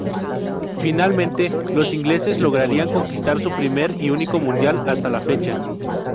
Finalmente, los ingleses lograrían conquistar su primer y único Mundial hasta la fecha.